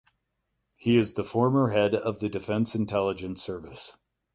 He is the former head of the Defense Intelligence Service.